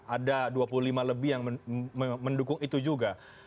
ada dua puluh lima lebih yang mendukung itu juga